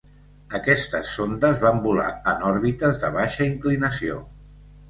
Aquestes sondes van volar en òrbites de baixa inclinació.